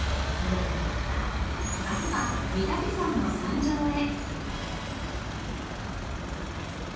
明日は御岳山の山頂へ。